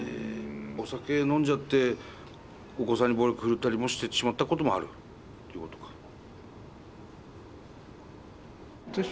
お酒飲んじゃってお子さんに暴力振るったりもしてしまったこともあるということか。